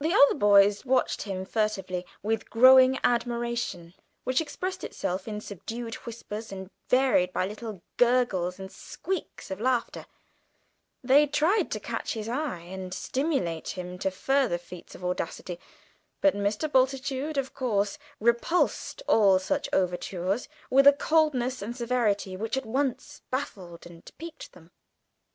The other boys watched him furtively with growing admiration, which expressed itself in subdued whispers, varied by little gurgles and "squirks" of laughter; they tried to catch his eye and stimulate him to further feats of audacity, but Mr. Bultitude, of course, repulsed all such overtures with a coldness and severity which at once baffled and piqued them.